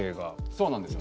そうなんですよ。